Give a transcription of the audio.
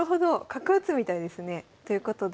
角打つみたいですね。ということで。